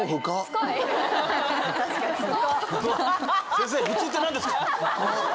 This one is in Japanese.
先生普通って何ですか？